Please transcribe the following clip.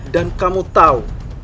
dan kamu tahu